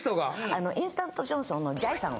あのインスタントジョンソンのじゃいさん。